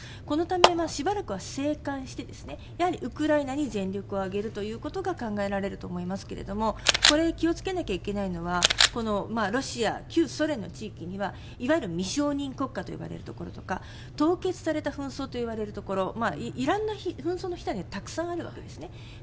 このため、しばらくは静観してやはりウクライナに全力を挙げるということが考えられると思いますがこれ気をつけなきゃいけないのはロシア、旧ソ連の地域にはいわゆる未承認国家と呼ばれるところとか凍結された紛争といわれるところ色んな紛争の火種がたくさんあるわけですね。